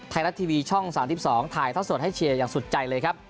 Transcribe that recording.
ไทยรัฐทีวีช่อง๓๒ถ่ายท่อสดให้เชียร์อย่างสุดใจเลยครับ